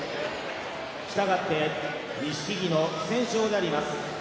したがって錦木の不戦勝であります。